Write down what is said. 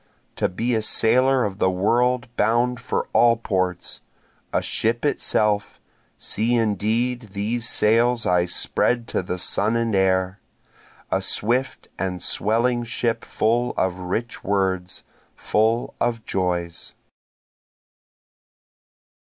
To be a sailor of the world bound for all ports, A ship itself, (see indeed these sails I spread to the sun and air,) A swift and swelling ship full of rich words, full of joys.